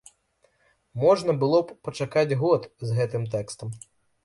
Можна было б і пачакаць год з гэтым тэкстам.